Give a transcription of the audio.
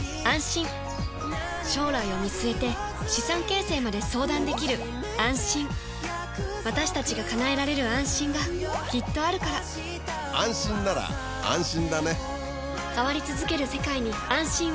将来を見据えて資産形成まで相談できる「あんしん」私たちが叶えられる「あんしん」がきっとあるから変わりつづける世界に、「あんしん」を。